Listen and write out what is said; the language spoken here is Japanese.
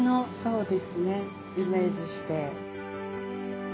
そうですねイメージして。